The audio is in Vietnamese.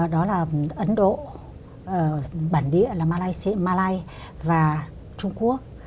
đó là ấn độ bản địa là malaysia và trung quốc